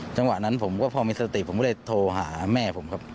จังหวะนั้นผมก็พอมีสติผมก็เลยโทรหาแม่ผมครับ